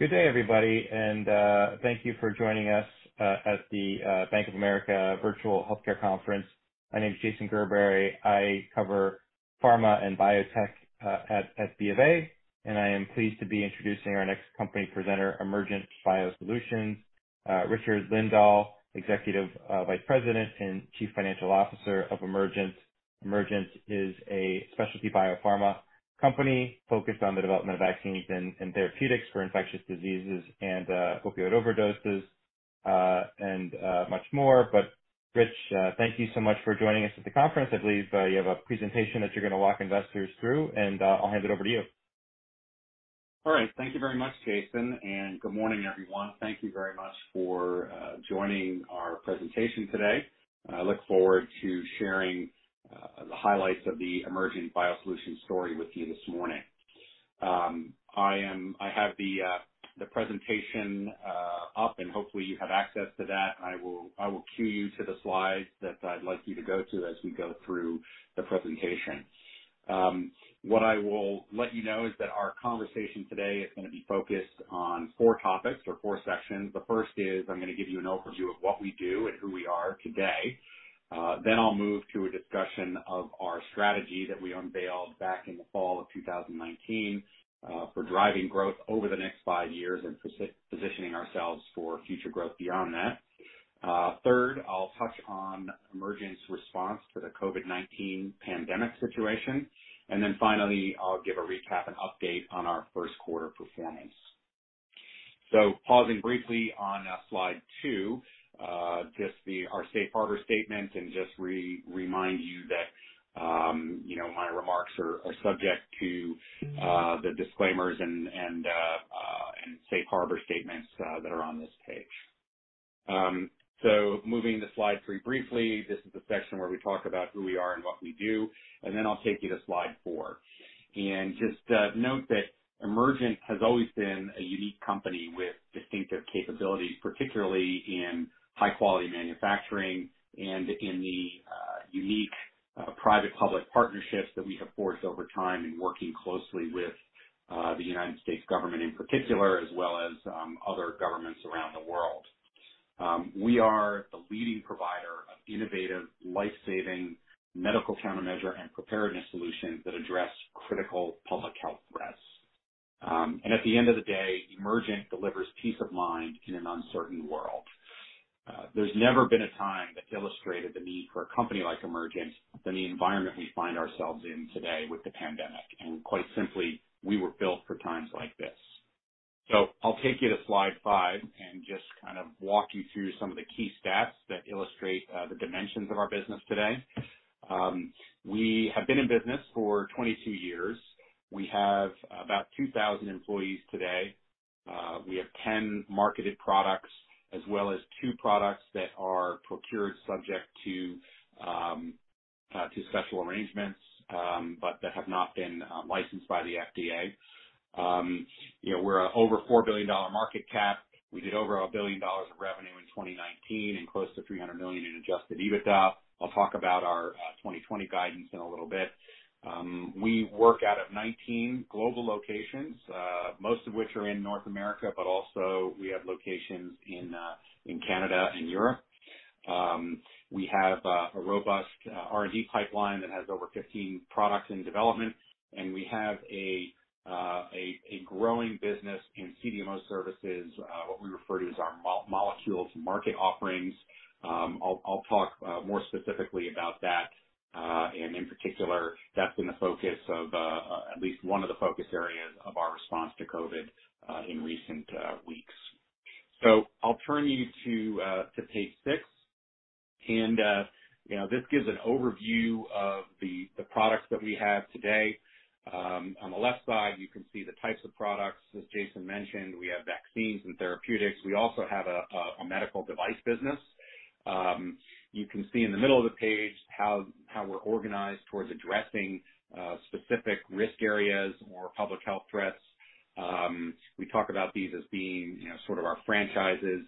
Good day, everybody, and thank you for joining us at the Bank of America Virtual Healthcare Conference. My name's Jason Gerberry. I cover pharma and biotech at B of A. I am pleased to be introducing our next company presenter, Emergent BioSolutions, Richard Lindahl, Executive Vice President and Chief Financial Officer of Emergent. Emergent is a specialty biopharma company focused on the development of vaccines and therapeutics for infectious diseases and opioid overdoses, and much more. Rich, thank you so much for joining us at the conference. I believe you have a presentation that you're going to walk investors through. I'll hand it over to you. All right. Thank you very much, Jason, good morning, everyone. Thank you very much for joining our presentation today. I look forward to sharing the highlights of the Emergent BioSolutions story with you this morning. I have the presentation up, and hopefully you have access to that, and I will cue you to the slides that I'd like you to go to as we go through the presentation. What I will let you know is that our conversation today is going to be focused on four topics or four sections. The first is I'm going to give you an overview of what we do and who we are today. I'll move to a discussion of our strategy that we unveiled back in the fall of 2019, for driving growth over the next five years and positioning ourselves for future growth beyond that. I'll touch on Emergent's response to the COVID-19 pandemic situation. Finally, I'll give a recap and update on our first quarter performance. Pausing briefly on slide two, just our safe harbor statement, just remind you that my remarks are subject to the disclaimers and safe harbor statements that are on this page. Moving to slide three briefly, this is the section where we talk about who we are and what we do, I'll take you to slide four. Just note that Emergent has always been a unique company with distinctive capabilities, particularly in high-quality manufacturing and in the unique private-public partnerships that we have forged over time in working closely with the U.S. government in particular, as well as other governments around the world. We are the leading provider of innovative, life-saving medical countermeasure and preparedness solutions that address critical public health threats. At the end of the day, Emergent delivers peace of mind in an uncertain world. There's never been a time that illustrated the need for a company like Emergent than the environment we find ourselves in today with the pandemic, and quite simply, we were built for times like this. I'll take you to slide five and just kind of walk you through some of the key stats that illustrate the dimensions of our business today. We have been in business for 22 years. We have about 2,000 employees today. We have 10 marketed products as well as two products that are procured subject to special arrangements, but that have not been licensed by the FDA. We're an over $4 billion market cap. We did over $1 billion of revenue in 2019 and close to $300 million in adjusted EBITDA. I'll talk about our 2020 guidance in a little bit. We work out of 19 global locations, most of which are in North America, but also we have locations in Canada and Europe. We have a robust R&D pipeline that has over 15 products in development, and we have a growing business in CDMO services, what we refer to as our molecule-to-market offerings. I'll talk more specifically about that, and in particular, that's been at least one of the focus areas of our response to COVID in recent weeks. I'll turn you to page six. This gives an overview of the products that we have today. On the left side, you can see the types of products. As Jason mentioned, we have vaccines and therapeutics. We also have a medical device business. You can see in the middle of the page how we're organized towards addressing specific risk areas or public health threats. We talk about these as being sort of our franchises.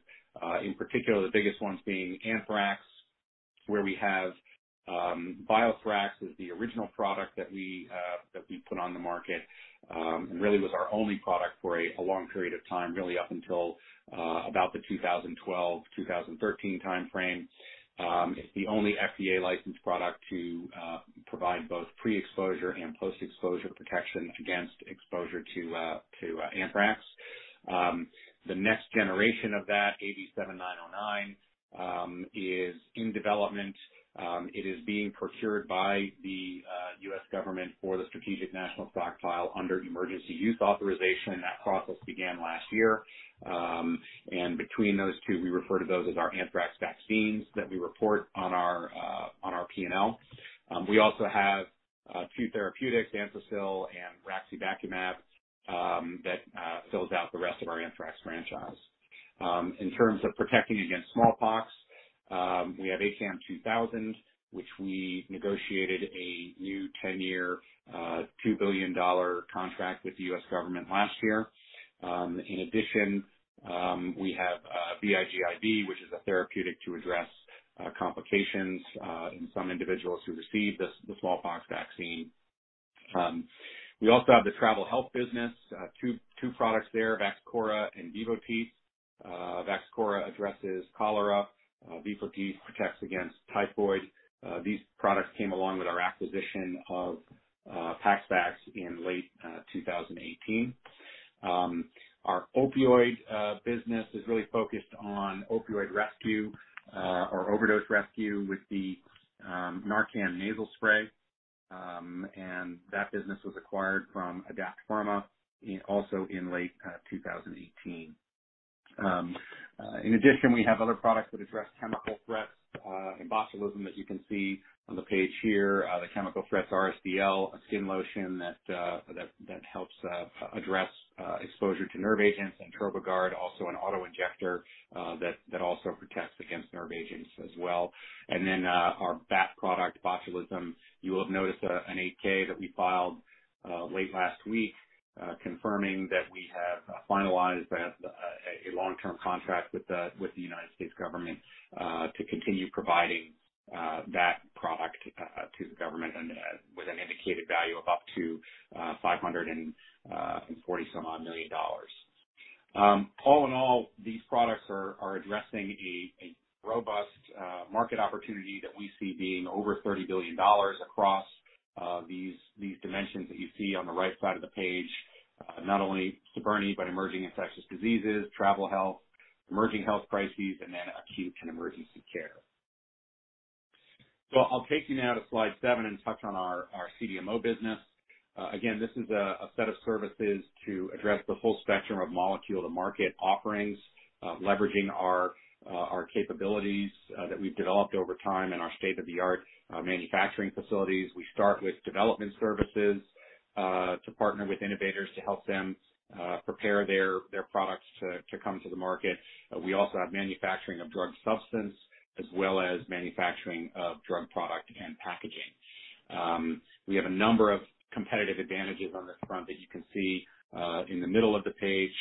In particular, the biggest ones being anthrax, where we have BioThrax as the original product that we put on the market, and really was our only product for a long period of time, really up until about the 2012, 2013 timeframe. It's the only FDA-licensed product to provide both pre-exposure and post-exposure protection against exposure to anthrax. The next generation of that, AV7909, is in development. It is being procured by the U.S. government for the Strategic National Stockpile under Emergency Use Authorization. That process began last year. Between those two, we refer to those as our anthrax vaccines that we report on our P&L. We also have two therapeutics, ANTHRASIL and raxibacumab, that fills out the rest of our anthrax franchise. In terms of protecting against smallpox, we have ACAM2000, which we negotiated a new 10-year, $2 billion contract with the U.S. government last year. In addition, we have VIGIV, which is a therapeutic to address complications in some individuals who receive the smallpox vaccine. We also have the travel health business, two products there, Vaxchora and Vivotif. Vaxchora addresses cholera. Vivotif protects against typhoid. These products came along with our acquisition of PaxVax in late 2018. Our opioid business is really focused on opioid rescue or overdose rescue with the NARCAN Nasal Spray. That business was acquired from Adapt Pharma also in late 2018. In addition, we have other products that address chemical threats and botulism that you can see on the page here. The Chemical Threats RSDL, a skin lotion that helps address exposure to nerve agents, and Trobigard, also an auto-injector that also protects against nerve agents as well. Our BAT product, botulism, you will have noticed an 8-K that we filed late last week confirming that we have finalized a long-term contract with the United States government, to continue providing that product to the government and with an indicated value of up to $540-some-odd million. All in all, these products are addressing a robust market opportunity that we see being over $30 billion across these dimensions that you see on the right side of the page. Not only CBRNE, but emerging infectious diseases, travel health, emerging health crises, and then acute and emergency care. I'll take you now to slide seven and touch on our CDMO business. Again, this is a set of services to address the full spectrum of molecule-to-market offerings, leveraging our capabilities that we've developed over time and our state-of-the-art manufacturing facilities. We start with development services, to partner with innovators to help them prepare their products to come to the market. We also have manufacturing of drug substance as well as manufacturing of drug product and packaging. We have a number of competitive advantages on this front that you can see in the middle of the page.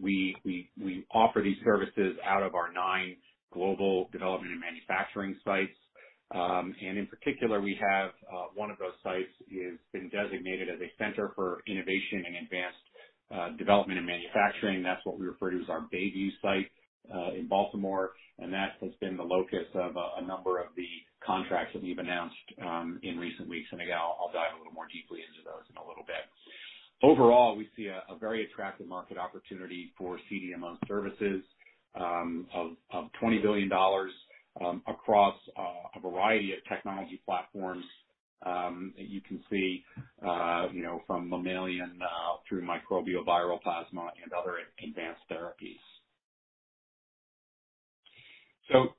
We offer these services out of our nine global development and manufacturing sites. In particular, we have one of those sites has been designated as a center for innovation and advanced development and manufacturing. That's what we refer to as our Bayview site in Baltimore, and that has been the locus of a number of the contracts that we've announced in recent weeks. Again, I'll dive a little more deeply into those in a little bit. Overall, we see a very attractive market opportunity for CDMO services of $20 billion across a variety of technology platforms that you can see from mammalian through microbial, viral, plasma, and other advanced therapies.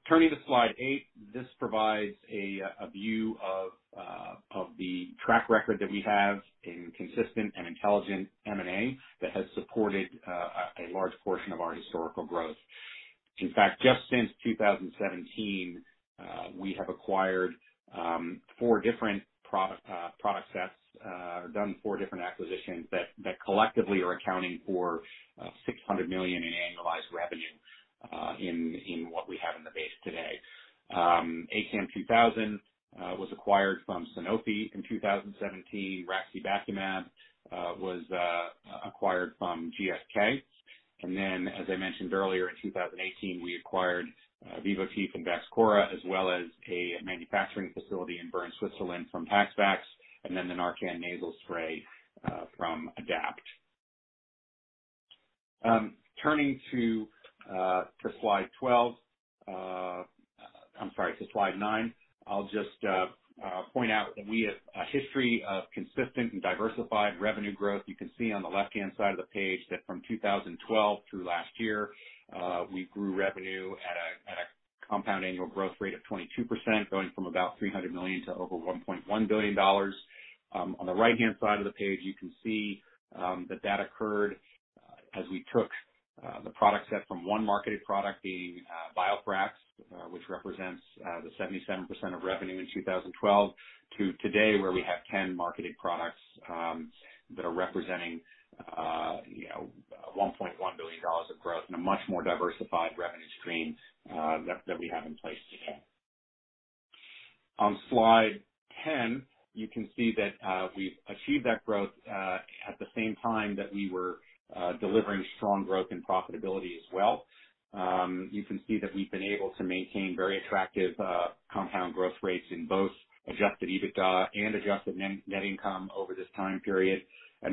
Turning to slide eight, this provides a view of the track record that we have in consistent and intelligent M&A that has supported a large portion of our historical growth. In fact, just since 2017, we have acquired four different product sets, done four different acquisitions that collectively are accounting for $600 million in annualized revenue in what we have in the base today. ACAM2000 was acquired from Sanofi in 2017. Raxibacumab was acquired from GSK. Then, as I mentioned earlier, in 2018, we acquired Vivotif and Vaxchora, as well as a manufacturing facility in Bern, Switzerland from PaxVax, and then the NARCAN Nasal Spray from Adapt. Turning to slide 12. I'm sorry, to slide nine. I'll just point out that we have a history of consistent and diversified revenue growth. You can see on the left-hand side of the page that from 2012 through last year, we grew revenue at a compound annual growth rate of 22%, going from about $300 million to over $1.1 billion. On the right-hand side of the page, you can see that that occurred as we took the product set from one marketed product, being BioThrax, which represents the 77% of revenue in 2012, to today, where we have 10 marketed products that are representing $1.1 billion of growth and a much more diversified revenue stream that we have in place today. On slide 10, you can see that we've achieved that growth at the same time that we were delivering strong growth and profitability as well. You can see that we've been able to maintain very attractive compound growth rates in both adjusted EBITDA and adjusted net income over this time period.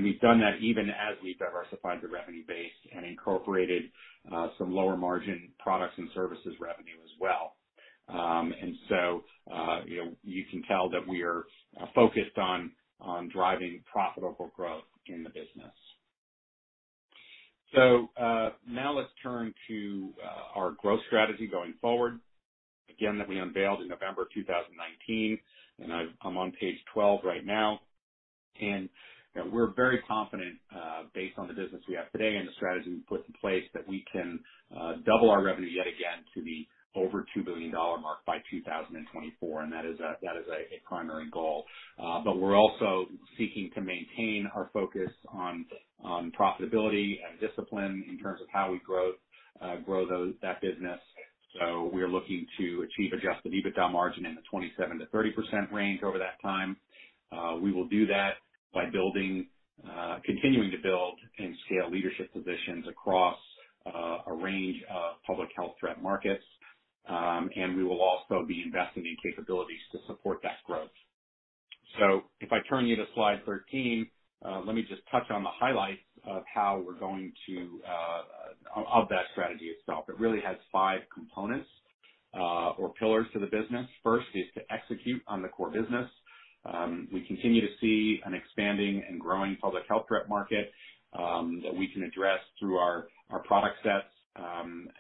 We've done that even as we've diversified the revenue base and incorporated some lower margin products and services revenue as well. You can tell that we are focused on driving profitable growth in the business. Now let's turn to our growth strategy going forward, again, that we unveiled in November 2019, and I'm on page 12 right now. We're very confident, based on the business we have today and the strategy we've put in place, that we can double our revenue yet again to the over $2 billion mark by 2024. That is a primary goal. We're also seeking to maintain our focus on profitability and discipline in terms of how we grow that business. We are looking to achieve adjusted EBITDA margin in the 27%-30% range over that time. We will do that by continuing to build and scale leadership positions across a range of public health threat markets. We will also be investing in capabilities to support that growth. If I turn you to slide 13, let me just touch on the highlights of that strategy itself. It really has five components, or pillars to the business. First is to execute on the core business. We continue to see an expanding and growing public health threat market, that we can address through our product sets,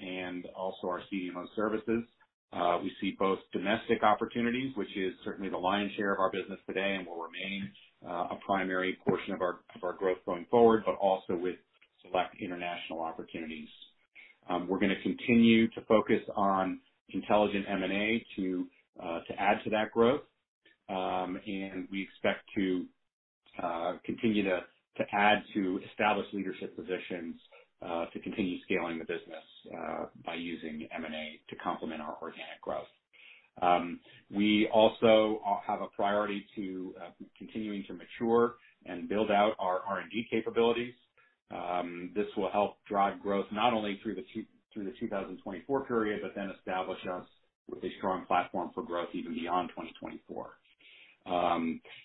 and also our CDMO services. We see both domestic opportunities, which is certainly the lion's share of our business today, and will remain a primary portion of our growth going forward, but also with select international opportunities. We're going to continue to focus on intelligent M&A to add to that growth. We expect to continue to add to established leadership positions, to continue scaling the business by using M&A to complement our organic growth. We also have a priority to continuing to mature and build out our R&D capabilities. This will help drive growth not only through the 2024 period, but establish us with a strong platform for growth even beyond 2024.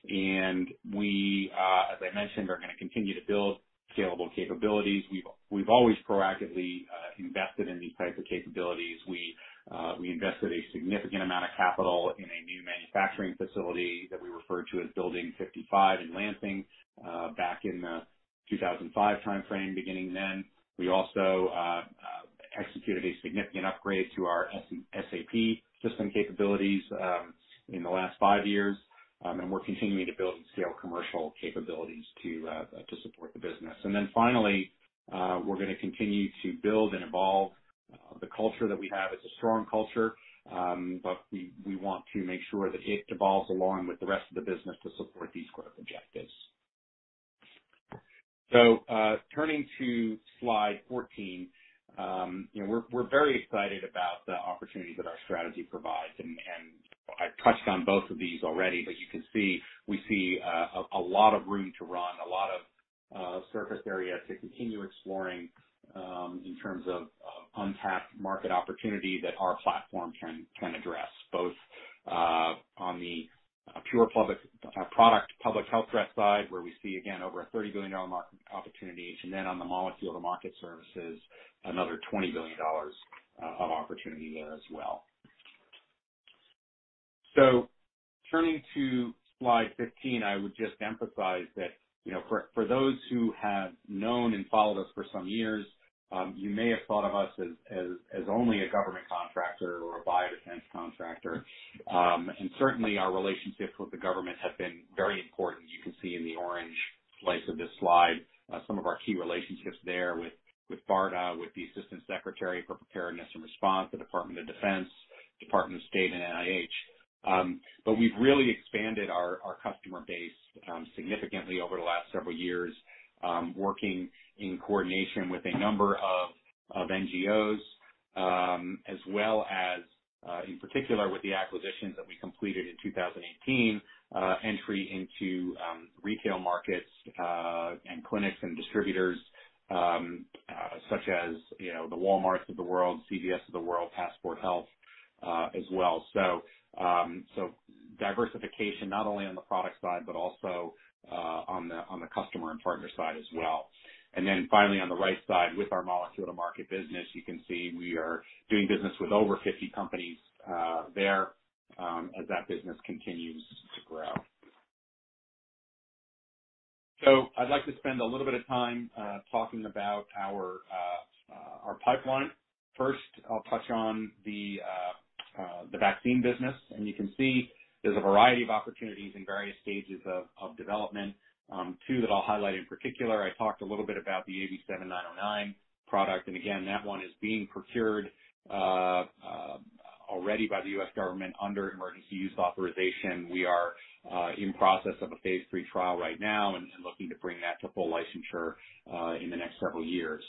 We, as I mentioned, are going to continue to build scalable capabilities. We've always proactively invested in these types of capabilities. We invested a significant amount of capital in a new manufacturing facility that we refer to as Building 55 in Lansing, back in the 2005 timeframe, beginning then. We also executed a significant upgrade to our SAP system capabilities in the last five years. We're continuing to build and scale commercial capabilities to support the business. Finally, we're going to continue to build and evolve the culture that we have. It's a strong culture, we want to make sure that it evolves along with the rest of the business to support these growth objectives. Turning to slide 14, we're very excited about the opportunities that our strategy provides, and I touched on both of these already, but you can see, we see a lot of room to run, a lot of surface area to continue exploring, in terms of untapped market opportunity that our platform can address, both on the pure product public health threat side, where we see, again, over a $30 billion market opportunity. On the molecule-to-market services, another $20 billion of opportunity there as well. Turning to slide 15, I would just emphasize that for those who have known and followed us for some years, you may have thought of us as only a government contractor or a biodefense contractor. Certainly our relationships with the government have been very important. You can see in the orange slice of this slide, some of our key relationships there with BARDA, with the Assistant Secretary for Preparedness and Response, the Department of Defense, Department of State, and NIH. We've really expanded our customer base significantly over the last several years, working in coordination with a number of NGOs, as well as, in particular, with the acquisitions that we completed in 2018, entry into retail markets, and clinics and distributors, such as the Walmarts of the world, CVS of the world, Passport Health as well. So diversification not only on the product side, but also on the customer and partner side as well. Finally, on the right side with our molecule-to-market business, you can see we are doing business with over 50 companies there, as that business continues to grow. I'd like to spend a little bit of time talking about our pipeline. First, I'll touch on the vaccine business, and you can see there's a variety of opportunities in various stages of development. Two that I'll highlight in particular, I talked a little bit about the AV7909 product, and again, that one is being procured already by the U.S. government under Emergency Use Authorization. We are in process of a phase III trial right now and looking to bring that to full licensure in the next several years.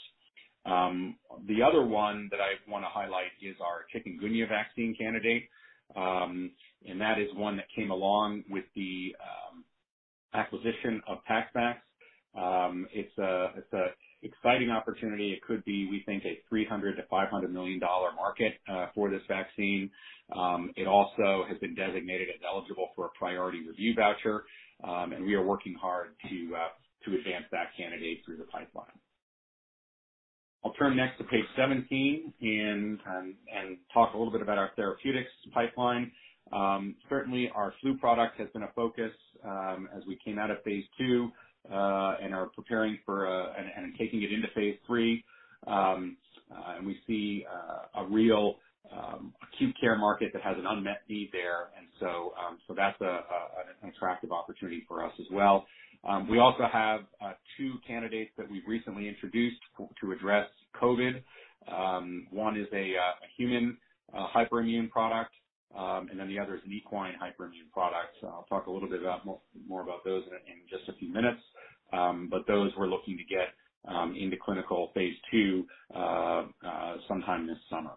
The other one that I want to highlight is our chikungunya vaccine candidate, and that is one that came along with the acquisition of PaxVax. It's a exciting opportunity. It could be, we think, a $300 million-$500 million market for this vaccine. It also has been designated as eligible for a priority review voucher. We are working hard to advance that candidate through the pipeline. I'll turn next to page 17 and talk a little bit about our therapeutics pipeline. Certainly our flu product has been a focus as we came out of phase II, and are preparing for and taking it into phase III. We see a real acute care market that has an unmet need there. That's an attractive opportunity for us as well. We also have two candidates that we've recently introduced to address COVID. One is a human hyperimmune product. The other is an equine hyperimmune product. I'll talk a little bit more about those in just a few minutes. Those we're looking to get into clinical phase II sometime this summer.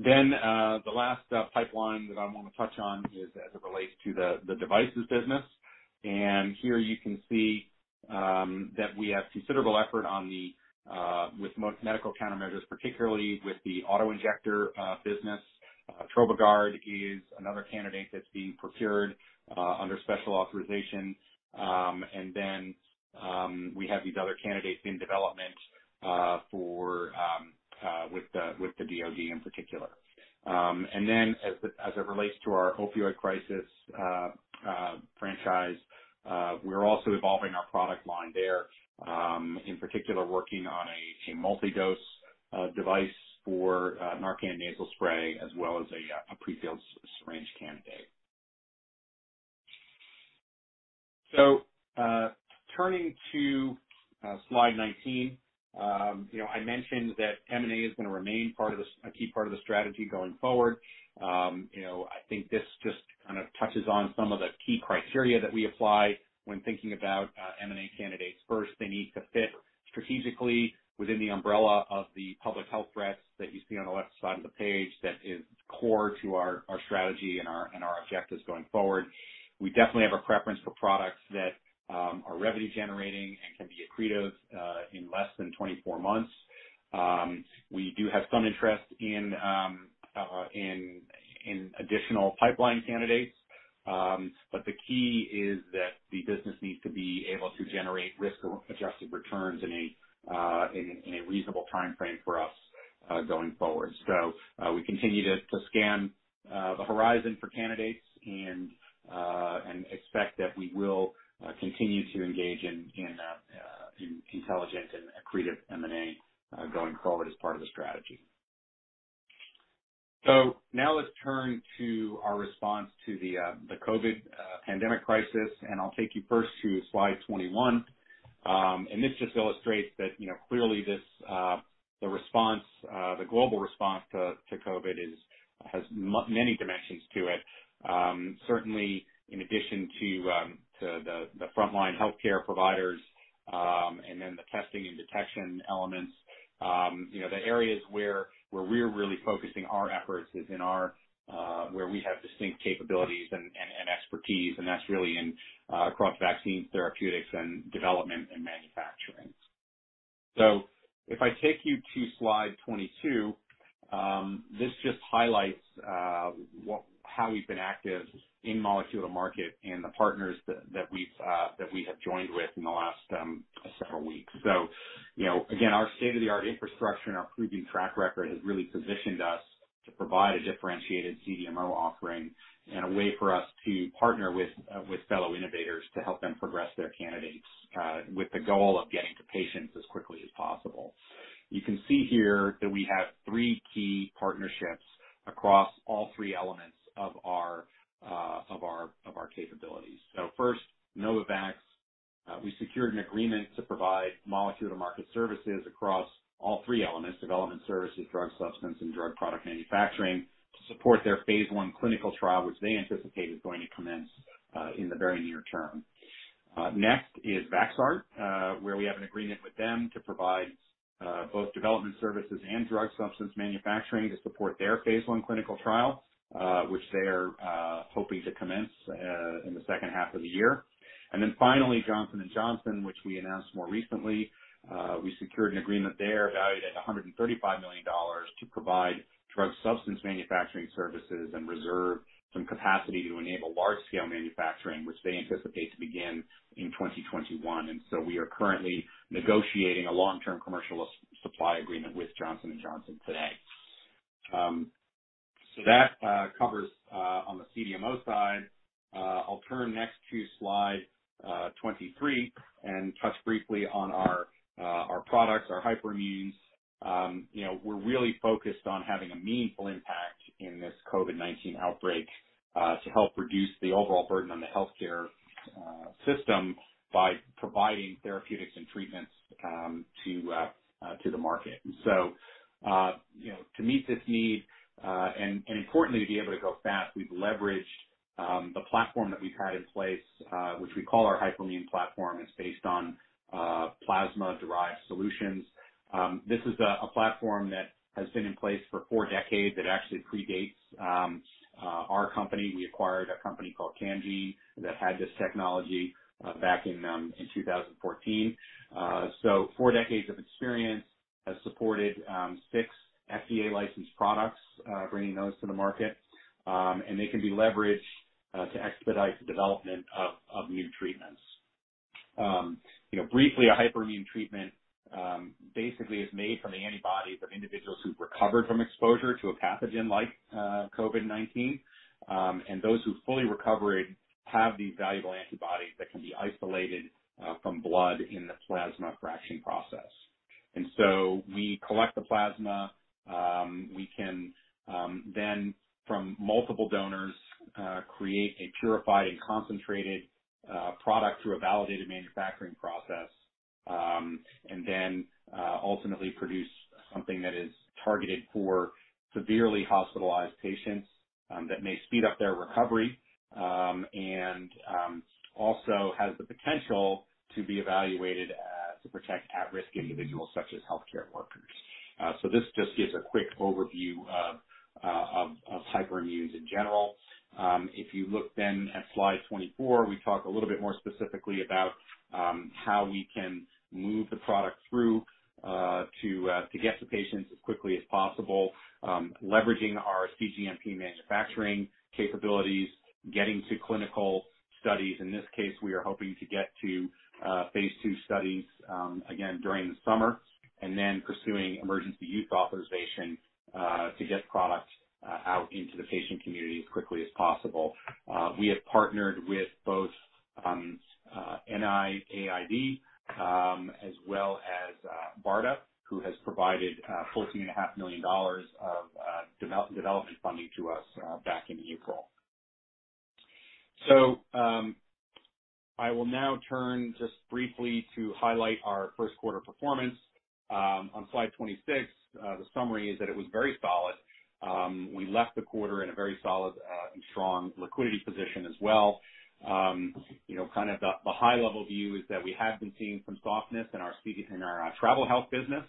The last pipeline that I want to touch on is as it relates to the devices business. Here you can see that we have considerable effort with medical countermeasures, particularly with the auto-injector business. Trobigard is another candidate that's being procured under special authorization. We have these other candidates in development with the DoD in particular. As it relates to our opioid crisis franchise, we're also evolving our product line there, in particular working on a multi-dose device for NARCAN Nasal Spray as well as a pre-filled syringe candidate. Turning to slide 19. I mentioned that M&A is going to remain a key part of the strategy going forward. I think this just kind of touches on some of the key criteria that we apply when thinking about M&A candidates. First, they need to fit strategically within the umbrella of the public health threats that you see on the left side of the page. That is core to our strategy and our objectives going forward. We definitely have a preference for products that are revenue generating and can be accretive in less than 24 months. We do have some interest in additional pipeline candidates. The key is that the business needs to be able to generate risk-adjusted returns in a reasonable timeframe for us going forward. We continue to scan the horizon for candidates and expect that we will continue to engage in intelligent and accretive M&A going forward as part of the strategy. Now let's turn to our response to the COVID pandemic crisis, and I'll take you first to slide 21. This just illustrates that clearly the global response to COVID has many dimensions to it. Certainly in addition to the frontline healthcare providers and then the testing and detection elements, the areas where we're really focusing our efforts is where we have distinct capabilities and expertise, and that's really across vaccines, therapeutics, and development and manufacturing. If I take you to slide 22, this just highlights how we've been active in molecule-to-market and the partners that we have joined with in the last several weeks. Again, our state-of-the-art infrastructure and our proven track record has really positioned us to provide a differentiated CDMO offering and a way for us to partner with fellow innovators to help them progress their candidates, with the goal of getting to patients as quickly as possible. You can see here that we have three key partnerships across all three elements of our capabilities. First, Novavax. We secured an agreement to provide molecule-to-market services across all three elements, development services, drug substance, and drug product manufacturing, to support their phase I clinical trial, which they anticipate is going to commence in the very near term. Vaxart, where we have an agreement with them to provide both development services and drug substance manufacturing to support their phase I clinical trial, which they are hoping to commence in the second half of the year. Finally, Johnson & Johnson, which we announced more recently. We secured an agreement there valued at $135 million to provide drug substance manufacturing services and reserve some capacity to enable large-scale manufacturing, which they anticipate to begin in 2021. We are currently negotiating a long-term commercial supply agreement with Johnson & Johnson today. That covers on the CDMO side. I'll turn next to slide 23 and touch briefly on our products, our hyperimmunes. We're really focused on having a meaningful impact in this COVID-19 outbreak to help reduce the overall burden on the healthcare system by providing therapeutics and treatments to the market. To meet this need, and importantly, to be able to go fast, we've leveraged the platform that we've had in place, which we call our hyperimmune platform. It's based on plasma-derived solutions. This is a platform that has been in place for four decades that actually predates our company. We acquired a company called Cangene that had this technology back in 2014. Four decades of experience has supported six FDA licensed products, bringing those to the market, and they can be leveraged to expedite the development of new treatments. A hyperimmune treatment basically is made from the antibodies of individuals who've recovered from exposure to a pathogen like COVID-19. Those who've fully recovered have these valuable antibodies that can be isolated from blood in the plasma fraction process. We collect the plasma. We can, from multiple donors, create a purified and concentrated product through a validated manufacturing process. Ultimately produce something that is targeted for severely hospitalized patients that may speed up their recovery, and also has the potential to be evaluated to protect at-risk individuals such as healthcare workers. This just gives a quick overview of hyperimmunes in general. If you look at slide 24, we talk a little bit more specifically about how we can move the product through to get to patients as quickly as possible, leveraging our cGMP manufacturing capabilities, getting to clinical studies. In this case, we are hoping to get to phase II studies, again, during the summer. Pursuing Emergency Use Authorization to get product out into the patient community as quickly as possible. We have partnered with both NIAID as well as BARDA, who has provided $14.5 million of development funding to us back in April. I will now turn just briefly to highlight our first quarter performance. On slide 26, the summary is that it was very solid. We left the quarter in a very solid and strong liquidity position as well. Kind of the high-level view is that we have been seeing some softness in our travel health business.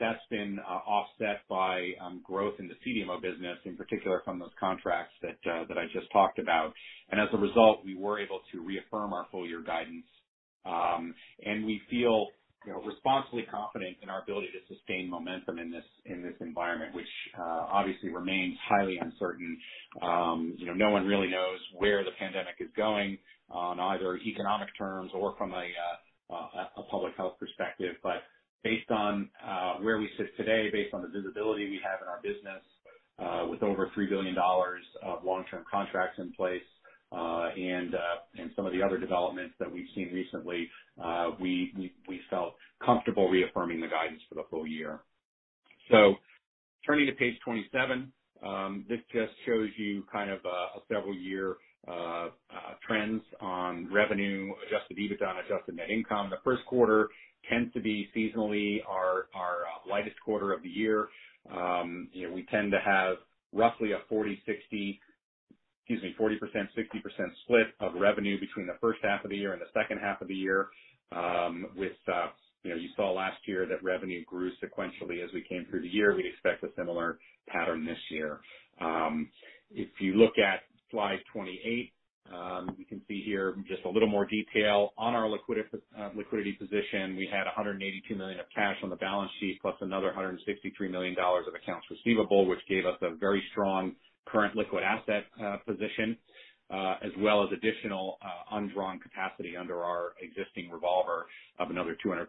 That's been offset by growth in the CDMO business, in particular from those contracts that I just talked about. As a result, we were able to reaffirm our full-year guidance. We feel responsibly confident in our ability to sustain momentum in this environment, which obviously remains highly uncertain. No one really knows where the pandemic is going on either economic terms or from a public health perspective. Based on where we sit today, based on the visibility we have in our business, with over $3 billion of long-term contracts in place, and some of the other developments that we've seen recently, we felt comfortable reaffirming the guidance for the full year. Turning to page 27, this just shows you kind of a several year trends on revenue, adjusted EBITDA, and adjusted net income. The first quarter tends to be seasonally our lightest quarter of the year. We tend to have roughly a 40%-60% split of revenue between the first half of the year and the second half of the year. You saw last year that revenue grew sequentially as we came through the year. We expect a similar pattern this year. If you look at slide 28, you can see here just a little more detail on our liquidity position. We had $182 million of cash on the balance sheet, plus another $163 million of accounts receivable, which gave us a very strong current liquid asset position, as well as additional undrawn capacity under our existing revolver of another $245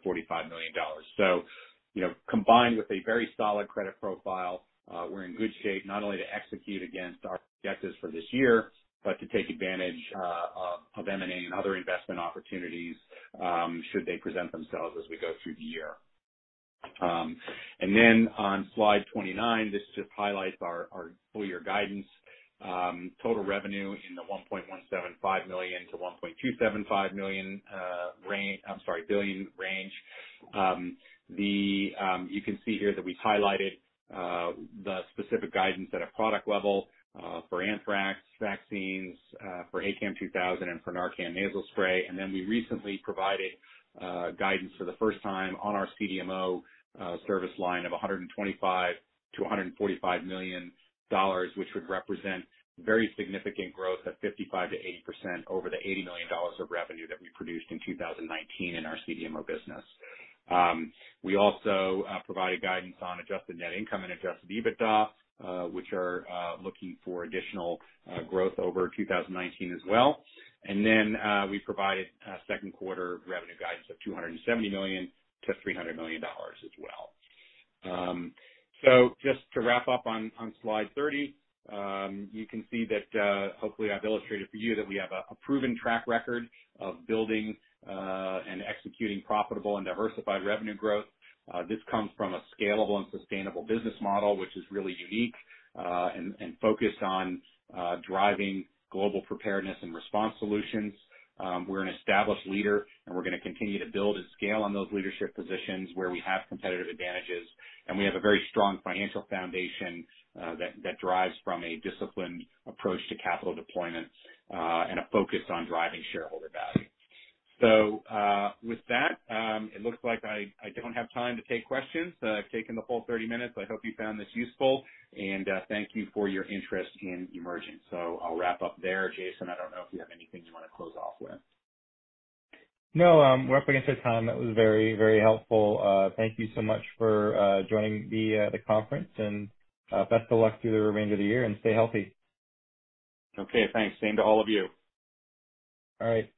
million. Combined with a very solid credit profile, we're in good shape not only to execute against our objectives for this year, but to take advantage of M&A and other investment opportunities should they present themselves as we go through the year. On slide 29, this just highlights our full-year guidance. Total revenue in the $1.175 million to $1.275 billion range. You can see here that we've highlighted the specific guidance at a product level for anthrax vaccines, for ACAM2000, and for NARCAN Nasal Spray. We recently provided guidance for the first time on our CDMO service line of $125 million-$145 million, which would represent very significant growth of 55%-80% over the $80 million of revenue that we produced in 2019 in our CDMO business. We also provided guidance on adjusted net income and adjusted EBITDA, which are looking for additional growth over 2019 as well. We provided second quarter revenue guidance of $270 million-$300 million as well. Just to wrap up on slide 30, you can see that hopefully I've illustrated for you that we have a proven track record of building and executing profitable and diversified revenue growth. This comes from a scalable and sustainable business model, which is really unique and focused on driving global preparedness and response solutions. We're an established leader and we're going to continue to build and scale on those leadership positions where we have competitive advantages. We have a very strong financial foundation that derives from a disciplined approach to capital deployment and a focus on driving shareholder value. With that, it looks like I don't have time to take questions. I've taken the full 30 minutes. I hope you found this useful. Thank you for your interest in Emergent. I'll wrap up there. Jason, I don't know if you have anything you want to close off with. No, we're up against our time. That was very helpful. Thank you so much for joining the conference and best of luck through the remainder of the year, and stay healthy. Okay, thanks. Same to all of you. All right.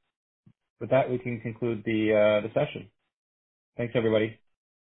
With that, we can conclude the session. Thanks, everybody.